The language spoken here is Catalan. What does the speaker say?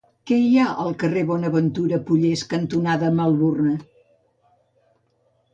Què hi ha al carrer Bonaventura Pollés cantonada Melbourne?